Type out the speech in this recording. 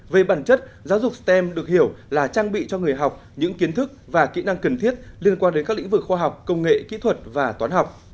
về bản chất giáo dục stem được hiểu là trang bị cho người học những kiến thức và kỹ năng cần thiết liên quan đến các lĩnh vực khoa học công nghệ kỹ thuật và toán học